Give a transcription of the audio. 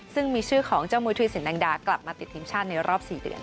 ซึ่งมีชื่อของเจ้ามุยธุรสินแดงดากลับมาติดทีมชาติในรอบ๔เดือน